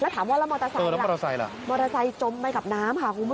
แล้วถามว่าละมอเตอร์ไซค์ล่ะมอเตอร์ไซค์จมไปกับน้ำคุณผู้โทษ